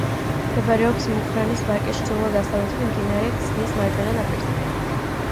მდებარეობს მუხრანის ვაკის ჩრდილო-დასავლეთით, მდინარე ქსნის მარჯვენა ნაპირზე.